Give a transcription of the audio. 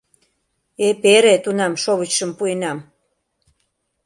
Эпере тунам шовычшым пуэнам...